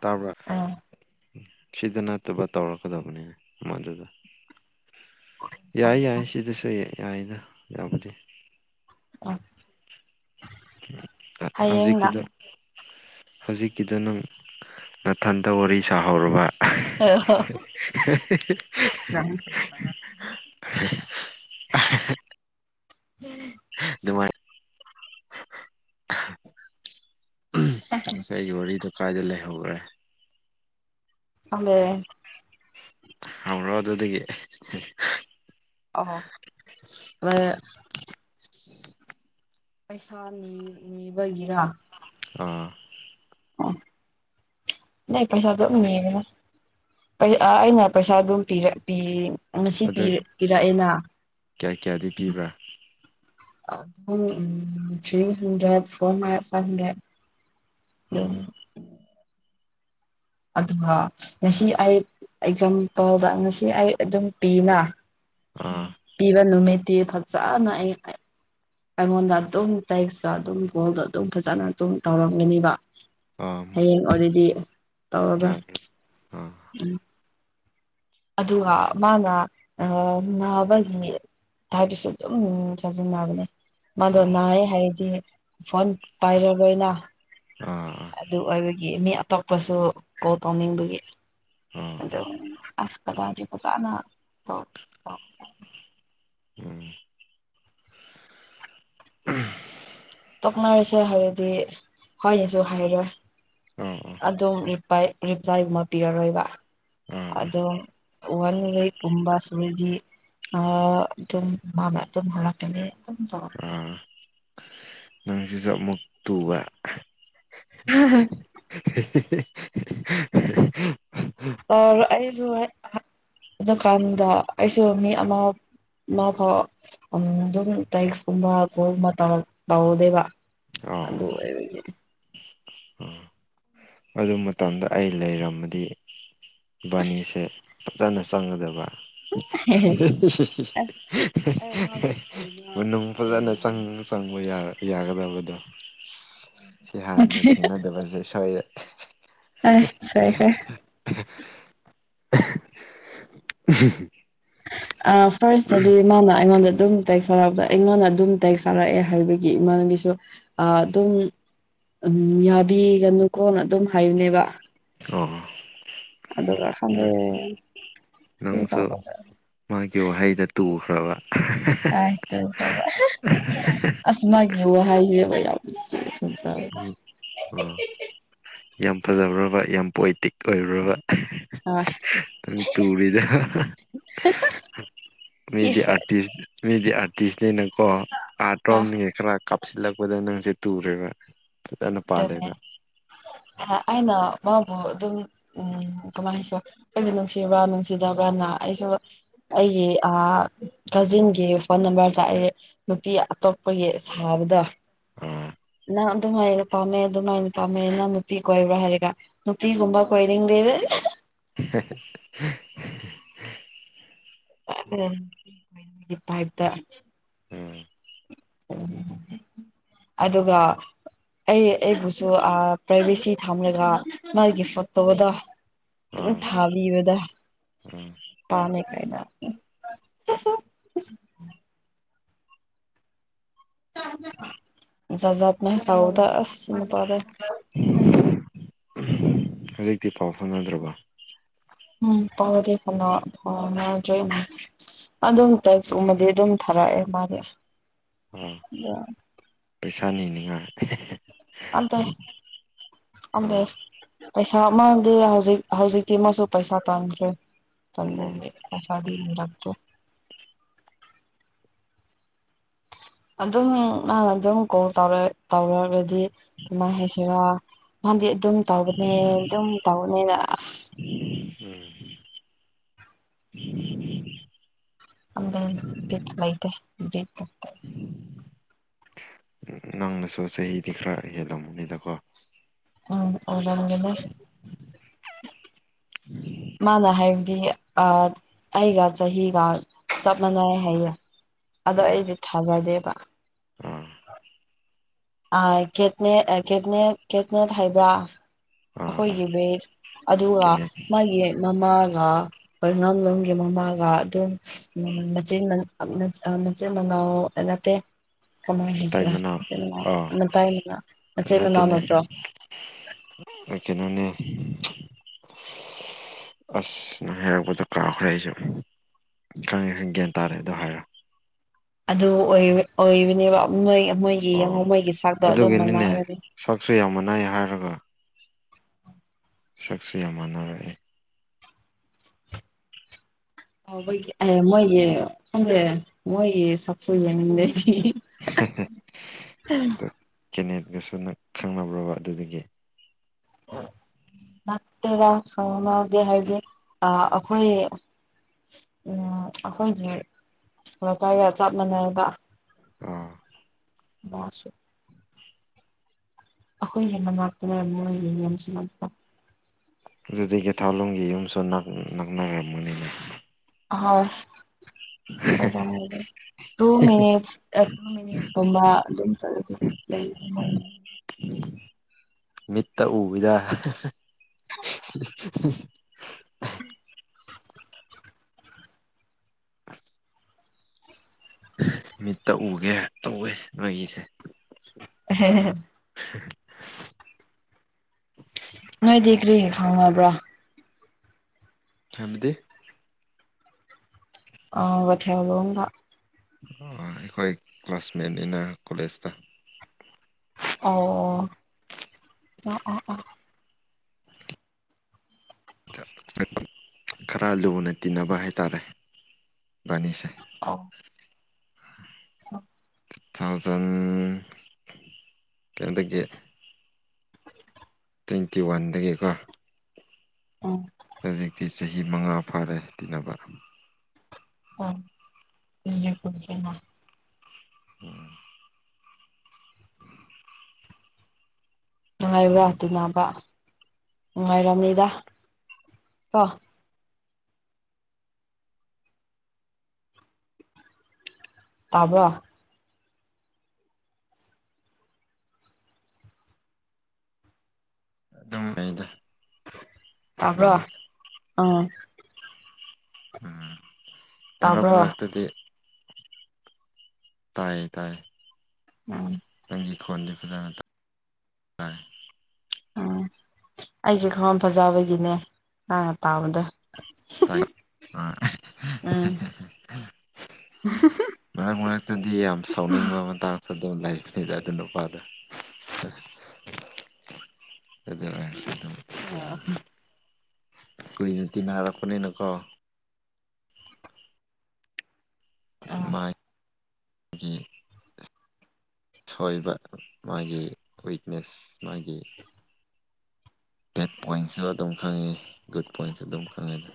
ꯇ ꯁꯤꯗ ꯅꯠꯇꯕ ꯇꯧꯔꯛꯀꯗꯕꯅꯤꯅ ꯃꯗꯨꯗ ꯌꯥꯏ ꯌꯥꯏ ꯁꯤꯗꯁꯨ ꯌꯥꯏꯗ ꯌꯥꯕꯨꯗꯤ ꯎꯝ ꯍꯧꯖꯤ ꯍꯌꯦꯡꯅ ꯀꯗ ꯍꯧꯖꯤꯛꯀꯤꯗ ꯅꯪ ꯅꯥꯊꯟꯗ ꯋꯥꯔꯤ ꯁꯥꯍꯧꯔꯕ [unintelligible] [unintelligible] ꯌꯥꯝ ꯐ [unintelligible] ꯀ ꯋꯥꯔꯤꯗꯣ ꯀꯥꯏꯗ ꯂꯩꯍꯧꯔꯦ [unintelligible] ꯍꯧꯔꯣ ꯑꯗꯨꯗꯒꯤ [unintelligible] ꯄꯩꯁꯥꯅꯤ ꯅꯤꯕꯒꯤꯔ ꯑꯥ ꯑ ꯅ ꯄꯩꯁꯥꯗꯨꯣꯉ ꯑꯩꯅ ꯄꯩꯁꯥꯗꯨ ꯄꯤ ꯉꯁꯤ ꯑꯗꯨ ꯄꯤꯔꯛꯑꯦꯅ ꯀꯌꯥ ꯀꯌꯥꯗꯤ ꯄꯤꯕ꯭ꯔꯥ ꯑꯗꯨꯝ ꯊ꯭ꯔꯤ ꯍꯟꯗ꯭ꯔꯦꯠ ꯐꯣꯔ ꯍ꯭ꯔꯦ ꯐꯥꯏꯚ ꯍꯟꯗ꯭ꯔꯦꯠ ꯑꯗꯨꯝ ꯑꯥ ꯑꯗꯨꯒ ꯉꯁꯤ ꯑꯩ ꯑꯦꯛꯖꯥꯝꯄꯜꯗ ꯉꯁꯤ ꯑꯩ ꯑꯗꯨꯝ ꯄꯤꯅ ꯑꯥ ꯄꯤꯕ ꯂꯨꯃꯦꯠꯇ ꯐꯖꯥꯅ ꯑꯩꯉꯣꯟꯗ ꯑꯗꯨꯝ ꯇꯦꯛꯁꯇ ꯑꯗꯨꯝ ꯒꯣꯜꯗꯣ ꯑꯗꯨꯝ ꯐꯖꯅ ꯑꯗꯨꯝ ꯇꯧꯔꯝꯒꯅꯤꯕ ꯑꯥ ꯍꯌꯦꯡ ꯑꯣꯏꯗꯤ ꯇꯧꯔꯕ꯭ꯔ ꯎꯝ [unintelligible] ꯑꯗꯨꯒ ꯃꯥꯅ ꯅꯥꯕꯒꯤ ꯊꯥꯕꯤꯁꯨ ꯑꯗꯨꯝ ꯁꯥꯥꯖꯅꯕꯅꯤ ꯃꯥꯗꯣ ꯑꯣ ꯅꯥꯏ ꯍꯥꯏꯔꯗꯤ ꯐꯣꯟ ꯄꯥꯏꯔꯣꯏꯅ ꯑꯝ ꯑꯗꯨ ꯑꯣꯏꯕꯒꯤ ꯃꯤ ꯑꯇꯣꯞꯄꯁꯨ ꯀꯣꯜ ꯇꯧꯅꯤꯡꯕꯒꯤ ꯎꯝ ꯑꯁꯇꯒꯥ ꯐꯖꯥꯅ ꯇꯧ ꯑ ꯎꯝ ꯇꯣꯛꯅꯔꯁꯦ ꯍꯥꯏꯔꯗꯤ ꯍꯣꯏꯅꯦꯁꯨ ꯍꯥꯏꯔꯣꯏ ꯑꯣ ꯑꯣ ꯑꯗꯨꯝ꯭ꯂ ꯔꯤꯄ꯭ꯂꯥꯏꯒꯨꯝꯕ ꯄꯤꯔꯔꯣꯏꯕ ꯑꯥ ꯑꯣ ꯑꯣꯟꯋꯦ ꯀꯨꯝꯕꯥ ꯁꯨꯔꯗꯤ ꯑ ꯑꯗꯨꯝ ꯃꯥꯅ ꯑꯗꯨꯝ ꯍꯂꯀꯅꯤ ꯑꯗꯨꯝ ꯇꯧ ꯑ ꯅꯨꯃꯤꯠꯁꯤꯁꯨ ꯑꯃꯨꯛ ꯇꯨꯕ [unintelligible] [unintelligible] ꯑꯩ ꯑꯩꯁꯨ ꯍꯦꯛ [inaudible] ꯑꯩꯁꯨ ꯃꯤ ꯑꯃ ꯃꯥ ꯐꯥꯎ ꯑꯗꯨꯝ ꯇꯦꯛꯁꯀꯨꯝꯕ ꯀꯣꯜꯒꯨꯝ ꯇꯧꯔ ꯇꯧꯗꯦꯕ ꯑꯥ [unintelligible] [unintelligible] ꯑꯗꯨ ꯃꯇꯝꯗ ꯑꯩ ꯂꯩꯔꯝꯃꯗꯤ ꯕꯥꯅꯤꯁꯦ ꯐꯖꯅ ꯆꯪꯒꯗꯕ ꯑꯁ ꯑꯩ ꯃꯥꯕꯨ ꯀꯨꯏꯕ ꯃꯅꯨꯡ ꯐꯖꯅ ꯂꯩꯔꯤꯌꯦ ꯆꯪ ꯆꯪꯕ ꯌꯥ ꯌꯥꯒꯗꯕꯗꯣ [unintelligible] ꯁꯤ ꯍꯥꯟꯅ ꯊꯦꯡꯅꯗꯕꯖꯦ ꯁꯣꯏꯔꯦ ꯑ ꯁꯣꯏꯈ꯭ꯔꯦ [unintelligible] ꯑ ꯐꯥꯔꯁꯇꯗꯤ ꯃꯥꯅ ꯑꯩꯉꯣꯟꯗ ꯑꯗꯨꯝ ꯇꯩꯊꯥꯔꯛꯄꯗ ꯑꯩꯉꯣꯟꯗ ꯑꯗꯨꯝ ꯇꯩꯊꯥꯔꯛꯑꯦ ꯍꯥꯏꯕꯒꯤ ꯏꯃꯥꯒꯤꯁꯨ ꯑꯗꯨꯝ ꯎꯝ ꯌꯥꯕꯤꯒꯅꯨꯀꯣꯅ ꯑꯗꯨꯝ ꯍꯥꯏꯌꯨꯅꯦꯕ ꯑꯣ ꯑꯗꯨꯒ ꯁꯣꯟꯗꯩꯩ ꯀ꯭ꯔꯤ ꯅꯪꯁꯨ ꯇꯧꯄꯖꯦ ꯃꯥꯒꯤ ꯋꯥꯍꯩꯗ ꯇꯨꯈ꯭ꯔꯕ ꯑꯥꯏ ꯇꯨꯈ꯭ꯔꯕ [unintelligible] ꯑꯁ ꯃꯥꯒꯤ ꯋꯥꯍꯩꯁꯦꯕ ꯌꯥꯝ ꯐꯖꯕꯅꯦ ꯎ ꯑꯥ ꯌꯥꯝ ꯐꯖꯕ꯭ꯔꯥꯕ ꯌꯥꯝ ꯄꯣꯏꯇꯤꯛ ꯑꯣꯏꯕ꯭ꯔꯕ ꯍꯣꯏ ꯅꯪ ꯇꯨꯔꯤꯗ [unintelligible] ꯗꯤ ꯏꯁ ꯑꯔꯇꯤꯁ ꯃꯤꯗꯤ ꯑꯥꯔꯇꯤꯁꯅꯦꯅꯀꯣ ꯑꯥꯔꯠ ꯔꯣꯝꯅꯤ ꯈꯔ ꯀꯥꯞꯁꯤꯜꯂꯛꯄꯗ ꯅꯪꯁꯦ ꯇꯨꯔꯦꯕ [unintelligible] [unintelligible] ꯑꯩꯅ ꯃꯥꯕꯨ ꯑꯗꯨꯝ ꯎꯝ ꯀꯃꯥꯏꯅꯁꯨ ꯑꯩꯁꯨ ꯅꯨꯡꯁꯤꯕ꯭ꯔꯥ ꯅꯨꯡꯁꯤꯗꯕ꯭ꯔꯅ ꯑꯩꯁꯨ ꯑꯩꯒꯤ ꯑꯥ ꯀꯖꯤꯟꯒꯤ ꯐꯣꯟ ꯅꯝꯕꯔꯗ ꯑꯩ ꯅꯨꯄꯤ ꯑꯇꯣꯞꯄꯒꯤ ꯁꯥꯕꯗ ꯑꯥ ꯅ [inaudible] ꯄꯥꯝꯃꯦ ꯑꯗꯨꯃꯥꯏꯅ ꯄꯥꯝꯃꯦꯅ ꯅꯨꯄꯤ ꯀꯣꯏꯕ꯭ꯔꯥ ꯍꯥꯏꯔꯒ ꯅꯨꯄꯤꯒꯨꯝꯕ ꯀꯣꯏꯅꯤꯡꯗꯦ ꯍꯦꯍꯦ [inaudible] ꯄꯥꯏꯞꯇ ꯎꯝ ꯎ ꯑꯗꯨꯒ ꯑꯩ ꯑꯩꯕꯨꯁꯨ ꯑꯥ ꯄ꯭ꯔꯥꯏꯚꯦꯁꯤ ꯊꯝꯔꯒ ꯃꯥꯒꯤ ꯐꯣꯠꯇꯣꯗ ꯗꯨꯝ ꯑꯥ ꯊꯥꯕꯤꯕꯗꯥ ꯎꯝ ꯄꯥꯃꯦ ꯀꯥꯏꯅ ꯖꯥꯖꯠꯅꯦ ꯀꯥꯎꯗ ꯑꯁ ꯅꯨꯄꯥꯗꯣ ꯍꯧꯖꯤꯛꯇꯤ ꯄꯥꯎ ꯐꯥꯎꯅꯗ꯭ꯔꯕꯣ ꯎꯝ ꯄꯥꯎꯗꯤ ꯐꯥꯎꯅ ꯐꯥꯎꯅꯗ꯭ꯔꯦꯅꯦ ꯑꯗꯨꯝ ꯇꯦꯛꯁꯀꯨꯝꯃꯗꯤ ꯑꯗꯨꯝ ꯊꯥꯔꯛꯑꯦ ꯃꯥꯗꯤ ꯑꯥ ꯄꯩꯁꯥꯅꯤꯅꯤꯉꯥꯏ ꯄꯝꯗ ꯄꯥꯝꯗꯦ ꯑꯥ ꯄꯩꯁꯥ ꯑꯃꯗꯤ ꯍꯧꯖꯤꯛ ꯍꯧꯖꯤꯛꯇꯤ ꯑꯃꯁꯨ ꯄꯩꯁꯥ ꯇꯥꯟꯈ꯭ꯔꯦ ꯑꯣ [inaudible] ꯄꯩꯁꯥꯗꯤ ꯅꯤꯔꯛꯇ꯭ꯔꯦ ꯑꯗꯨꯝ ꯃꯥꯅ ꯑꯗꯨꯝ ꯀꯣꯜ ꯇꯧꯔꯒꯗꯤ ꯀꯃꯥꯏꯅ ꯍꯥꯏꯁ ꯁꯤꯔ ꯃꯥꯗꯤ ꯑꯗꯨꯝ ꯇꯧꯕꯅꯦ ꯑꯗꯨꯝ ꯇꯧꯕꯅꯦꯅ ꯎꯝ ꯑꯗ ꯄꯤꯠꯇ ꯂꯩꯗꯦ ꯠ ꯂꯥꯛꯇꯥ ꯅꯪꯅꯁꯨ ꯆꯍꯤꯗꯤ ꯈꯔ ꯍꯦꯜꯂꯝꯕꯅꯤꯗꯀꯣ ꯎꯝ ꯑꯣꯔꯒꯅꯦ ꯃꯥꯅ ꯍꯥꯏꯕꯗꯤ ꯑꯩꯒ ꯆꯍꯤꯒ ꯆꯞ ꯃꯥꯟꯅꯩ ꯍꯥꯏꯌꯦ ꯑꯗꯣ ꯑꯥ ꯑꯩꯗꯤ ꯊꯥꯖꯗꯦꯕ ꯑꯥ ꯦꯅꯦꯦꯅꯦ ꯀꯦꯠꯅꯦꯠ ꯍꯥꯏꯕ꯭ꯔꯥ ꯑꯥ ꯑꯥ ꯑꯩꯈꯣꯏꯒꯤ ꯕꯦꯁ ꯑꯗꯨꯒ ꯀꯦꯅꯦꯠ ꯃꯥꯒꯤ ꯃꯃꯥꯒ ꯑꯣꯏꯉꯝꯂꯣꯝꯒꯤ ꯃꯃꯥꯒ ꯑꯗꯨꯝ ꯎꯝ ꯃꯆꯦ ꯃ [unintelligible] ꯃꯥꯆꯦ ꯃꯅꯥꯎ ꯑꯥ ꯅꯠꯇꯦ ꯀꯃꯥꯏ ꯇꯥꯏ ꯍꯥꯏꯁꯤꯔ ꯃꯅꯥ ꯃꯆꯤꯟ ꯃꯅꯥꯎ ꯑꯥ ꯃꯇꯥꯏ ꯃꯅꯥ ꯃꯆꯩ ꯃꯅꯥꯎ ꯅꯠꯇ꯭ꯔꯣ ꯀꯩ ꯀꯩꯅꯣꯅꯦ [unintelligible] ꯑꯁ ꯅ ꯍꯥꯏꯔꯛꯄꯗꯣ ꯀꯥꯈ꯭ꯔꯦ ꯑꯩꯁꯨ ꯏꯀꯥꯏ ꯍꯜ ꯒ꯭ꯌꯥꯟ ꯇꯥꯔꯦ ꯑꯗꯨ ꯍꯥꯏꯔ ꯑꯗꯨ ꯑꯣꯏ ꯑꯣꯏꯕꯅꯦꯕ ꯃꯣꯏ ꯃꯣꯏꯒꯤ ꯑꯣ ꯌꯦꯉ ꯃꯩꯒꯤ ꯁꯥꯛꯇꯣ ꯑꯗꯨ ꯑꯗꯨꯒꯤꯅꯤꯅꯦ ꯃꯅꯥꯔꯅꯤ ꯁꯛꯁꯨ ꯌꯥꯝ ꯃꯥꯟꯅꯩ ꯍꯥꯏꯔꯒ ꯁꯛꯁꯨ ꯌꯥꯝ ꯃꯥꯟꯅꯔꯛꯑꯦ [unintelligible] ꯃꯣꯏꯒꯤ [unintelligible] ꯃꯣꯏꯒꯤ ꯁꯛꯇꯣ [unintelligible] ꯑ ꯀꯦꯅꯦꯠꯀꯁꯨ ꯅꯪ ꯈꯪꯅꯕ꯭ꯔꯕ ꯑꯗꯨꯗꯒꯤ ꯅꯠꯇꯦꯗꯅꯎꯒꯤꯦ ꯍꯥꯏꯗꯤ ꯑ ꯑꯩꯈꯣꯏ ꯎꯝ ꯑꯩꯈꯣꯏꯒꯤ ꯂꯩꯀꯥꯏꯒ ꯆꯞ ꯃꯥꯟꯅꯒ ꯑꯥ ꯃꯥꯁ [unintelligible] ꯑꯩꯈꯣꯏ ꯍꯦꯟꯅ ꯉꯥꯛꯇꯨꯅ ꯌꯥꯝ ꯅꯨꯡꯉꯥꯏꯌꯦ ꯌꯥꯝꯁꯨꯥꯛꯇꯅ ꯑꯗꯨꯗꯤ ꯀꯦ ꯊꯥꯎꯂꯨꯝꯝꯒꯤ ꯌꯨꯝꯁꯨ ꯅꯛꯅꯔꯝꯝꯕꯅꯤꯅꯦ ꯍ ꯍ ꯇꯨ ꯃꯠꯁ ꯇꯨ ꯃꯠꯁꯒꯨꯝꯕ ꯑꯗꯨꯝ ꯆꯠ ꯃꯤꯠꯇ ꯎꯕꯤꯗ ꯑ ꯃꯤꯠꯇ ꯎꯒꯦ ꯇꯧꯋꯦ ꯃꯣꯏꯒꯤꯁꯦ ꯍꯝ ꯍ ꯅꯣꯏꯗꯤ ꯀꯔꯤ ꯈꯪꯉꯕ꯭ꯔꯣ ꯊꯝꯗꯦ ꯑꯊꯕ ꯑꯩꯈꯣꯏ ꯀ꯭ꯂꯥꯁꯃꯦꯠꯅꯤꯅ ꯀꯣꯂꯦꯖꯇ ꯑꯣ ꯑꯣ ꯑꯣ ꯑꯣ ꯈꯔ ꯂꯨꯅ ꯇꯤꯟꯅꯕ ꯍꯥꯏꯇꯥꯔꯦ ꯕꯥꯅꯤꯁꯦ ꯑ ꯑ ꯇꯨ ꯊꯥꯎꯖꯟ ꯇꯦꯟꯗꯒꯤ ꯇ꯭ꯋꯦꯟꯇꯤ ꯋꯥꯟꯗꯒꯤꯀꯣ ꯎꯝ ꯍꯧꯖꯤꯛꯇꯤ ꯆꯍꯤ ꯃꯉꯥ ꯐꯥꯔꯦ ꯇꯤꯟꯅꯕ ꯑꯗꯤꯦ ꯑꯣꯝ ꯅꯨꯡꯉꯥꯏꯕ꯭ꯔꯥ ꯑꯗꯨꯅꯕ ꯅꯨꯡꯉꯥꯏꯔꯝꯅꯤꯗ ꯀꯣ ꯇꯕ ꯑꯗꯨꯝꯉꯥꯏꯗꯦ ꯇꯥꯕ꯭ꯔꯣ ꯑꯥ ꯎꯝ ꯃꯅꯨꯝ ꯇꯥꯕ꯭ꯔꯣ ꯔꯥꯛꯇꯗꯤ ꯇꯥꯏꯌꯦ ꯇꯥꯏꯌꯦ ꯎꯝ ꯅꯪꯒꯤ ꯈꯣꯟꯗꯤ ꯐꯖꯅ ꯇ ꯎꯝ ꯑꯩ ꯀ ꯈꯋꯥꯝ ꯐꯖꯕꯒꯤꯅꯦ ꯅꯪꯅ ꯄꯥꯕꯗꯣ ꯇꯥꯏ ꯑꯥ ꯎꯝ ꯃꯔꯛ ꯃꯔꯛꯇꯗꯤ ꯌꯥꯝ ꯁꯥꯎꯅꯤꯡꯕ ꯃꯇꯥꯡ ꯁꯗꯣꯝ ꯂꯥꯏꯕꯅꯤꯗ ꯑꯗꯨ ꯅꯨꯄꯥꯗ ꯑꯗꯨꯗ ꯑ ꯁꯤ ꯑꯗꯨ ꯌꯥꯥꯏ ꯀꯨꯏꯅ ꯇꯤꯟꯅꯔꯛꯄꯅꯤꯅ ꯀꯣ ꯎꯝ ꯃꯥ ꯁꯣꯏꯕ ꯃꯥꯒꯤ ꯋꯤꯛꯅꯦꯁ ꯃꯥꯒꯤ ꯕꯦꯠ ꯄꯣꯏꯟꯁꯨ ꯑꯗꯨꯝ ꯈꯪꯉꯦ ꯒꯨꯗ ꯄꯣꯏꯟꯁꯨ ꯑꯗꯨꯝ ꯈꯪꯉꯦ ꯑꯗꯨ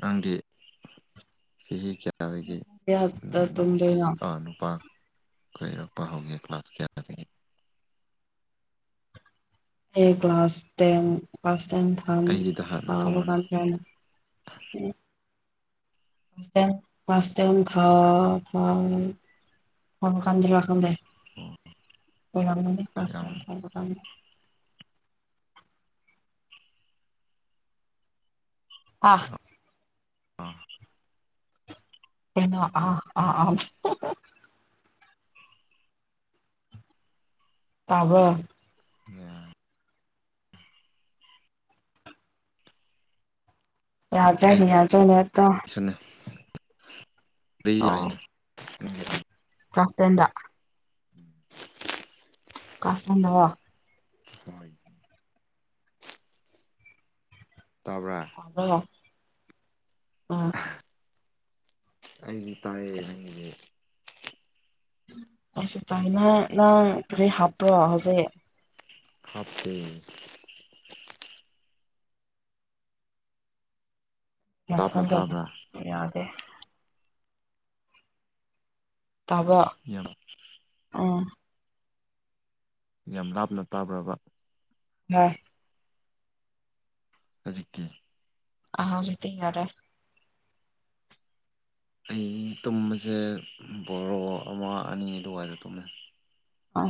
ꯔꯪꯗꯤ ꯁꯤ ꯀꯌꯥ ꯑꯗꯒꯤ ꯀꯌꯥꯗ ꯅꯨꯄꯤ ꯇꯨꯝꯗꯣꯏꯅꯣ ꯅꯨꯄꯥ ꯀꯣꯏꯔꯛꯄ ꯍꯧꯒꯦ ꯀ꯭ꯂꯥꯁ ꯀꯌꯥꯗꯒꯤ ꯑꯩ ꯀ꯭ꯂꯥꯁ ꯇꯦꯟ ꯀ꯭ꯂꯥꯁ ꯇꯦꯟ ꯑꯩꯒꯤꯗ ꯍꯥꯟꯅ ꯊꯥꯕ ꯈꯨꯝꯃꯨꯅꯦ ꯀꯥꯟꯗꯅ ꯎꯝ ꯁ ꯊ ꯊ ꯐ ꯀꯥꯟꯗ ꯋꯥ ꯀꯗꯦ ꯑꯣ ꯌꯥꯝ ꯑ ꯑ ꯑꯥ ꯑꯥ ꯑꯥ ꯑ ꯇꯥꯕ ꯑꯣ ꯌꯥꯗ꯭ꯔꯩꯅꯦ ꯌꯥꯗ꯭ꯔꯩꯅꯦ ꯑꯠꯇꯣ ꯑꯩꯅ ꯐꯁꯇꯦꯟꯗ [unintelligible] ꯀꯥꯁꯗꯋꯥ ꯍꯣꯏ ꯇꯕ꯭ꯔꯥ ꯑꯔ ꯑꯥ ꯑꯩꯗꯤ ꯇꯥꯏꯌꯦ ꯅꯪꯒꯤꯗꯤ ꯀꯩꯁꯨ ꯇꯥꯏꯅ ꯅꯪ ꯀꯔꯤ ꯍꯥꯞꯄ꯭ꯔꯣ ꯍꯧꯖꯤꯛ ꯍꯥꯞꯄꯦ ꯂꯥꯞꯅ ꯃꯐꯝꯖꯕ ꯇꯥꯕ꯭ꯔꯥ ꯌꯥꯗꯦ ꯇꯕ ꯌꯥꯝ ꯎꯝ ꯌꯥꯝ ꯂꯥꯞꯅ ꯇꯥꯕ꯭ꯔꯕ ꯌꯥ ꯍꯧꯖꯤꯛꯀꯤ ꯑꯖꯤꯗꯤ ꯌꯥꯔꯦ ꯑꯩ ꯇꯨꯝꯕꯁꯦ ꯕꯣꯔꯣ ꯑꯃ ꯑꯅꯤ ꯑꯗꯨꯋꯥꯏꯗ ꯇꯨꯝꯃꯦ ꯍ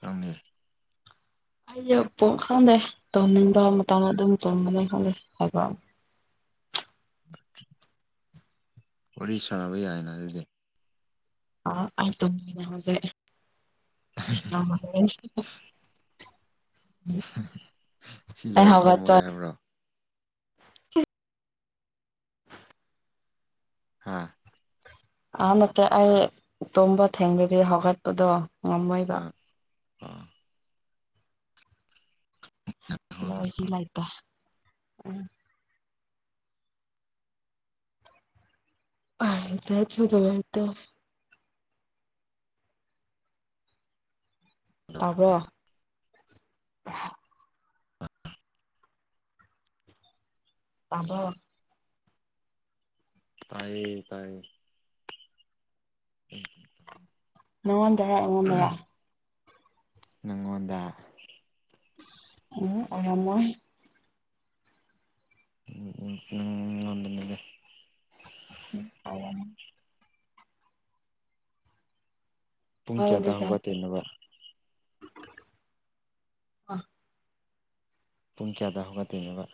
ꯊꯪꯃꯦ ꯑꯩꯁꯨ ꯄ ꯈꯪꯗꯦ ꯇꯧꯅꯤꯡꯕ ꯃꯇꯥꯡꯗ ꯑꯗꯨꯝ ꯇꯣꯡꯒꯅꯤ ꯈꯪꯗꯦ ꯍꯥꯏꯕ ꯑꯃ ꯏꯝ [inaudible] ꯋꯥꯔꯤ ꯁꯥꯅꯕ ꯌꯥꯏꯅ ꯍꯥꯏꯔꯗꯤ [unintelligible] ꯁꯤ ꯑꯩ ꯂꯣꯏꯔ ꯇꯨꯝꯃꯒꯦ ꯍꯧꯒꯠꯇꯧꯔꯦ ꯍꯥꯏꯕ꯭ꯔꯣ [inaudible] ꯍꯥꯥ ꯑ ꯅꯠꯇꯦ ꯑꯩ ꯇꯨꯝꯝꯕ ꯊꯦꯡꯕꯗꯤ ꯍꯧꯒꯠꯄꯗꯣ ꯉꯝꯃꯣꯏꯕ ꯑꯝ [unintelligible] [unintelligible] ꯇꯥꯕ꯭ꯔꯣ ꯑ ꯇꯥꯕ ꯇꯥꯏꯌꯦ ꯇꯥꯏꯌꯦ ꯎ ꯅꯉꯗ꯭ꯔ ꯅꯗ꯭ꯔ ꯅꯪꯉꯣꯟꯗ ꯑꯣ ꯑꯔꯝ ꯎ ꯎ ꯎꯝ ꯉꯗꯅꯤꯗꯦ ꯎ ꯑ ꯄꯨꯡ ꯍꯣꯏ ꯀꯌꯥꯗꯥ ꯑꯗꯨꯗꯤ ꯍꯧꯒ ꯇꯣꯏꯅꯣꯕ ꯄꯨꯡ ꯀꯌꯥꯗ ꯍꯧꯒꯠꯇꯣꯏꯅꯣꯕ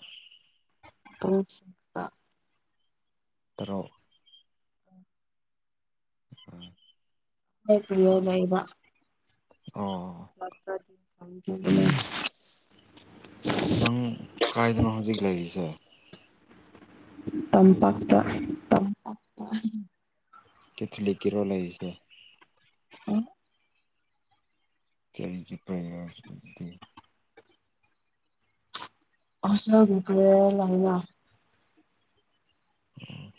ꯄꯨꯡ ꯁꯤꯛꯁꯇ ꯇꯔꯨꯛ [inaudible] ꯑꯩ ꯐꯤꯔꯣꯜ ꯂꯩꯩꯕ ꯑꯣ [unintelligible] ꯅꯪ ꯀꯥꯏꯗꯅꯣ ꯍꯧꯖꯤꯛ ꯂꯩꯔꯤꯁꯦ ꯇꯝꯄꯥꯛꯇ ꯇꯝ ꯀꯊꯂꯤꯛ ꯀꯤꯔꯣ ꯂꯩꯔꯤꯁꯦ ꯎꯝ ꯀꯔꯤꯒꯤ ꯄ꯭ꯔꯦꯌꯔ ꯑꯗꯨꯗꯤ [unintelligible] ꯎꯝ